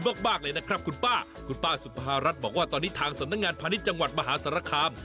มากเลยนะครับคุณป้าคุณป้าสุภารัฐบอกว่าตอนนี้ทางสำนักงานพาณิชย์จังหวัดมหาสารคาม